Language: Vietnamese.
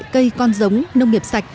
cây con giống nông nghiệp sạch